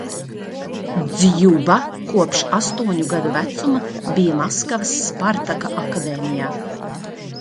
"Dzjuba kopš astoņu gadu vecuma bija Maskavas "Spartaka" akadēmijā."